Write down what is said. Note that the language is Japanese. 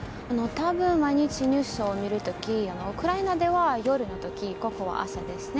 多分、毎日ニュースを見る時ウクライナでは夜の時ここは朝ですね。